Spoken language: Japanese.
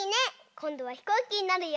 こんどはひこうきになるよ！